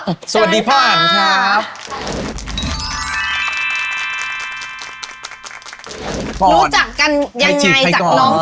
รู้จักกันยังไงจากน้องสาวแล้วคุยกันไง